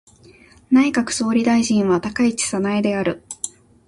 内閣総理大臣は高市早苗である。